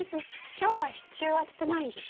今日は支柱は立てないんですか？